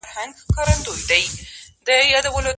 د میني مخ د وینو رنګ پرېولی